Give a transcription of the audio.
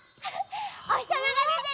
おひさまがでてる！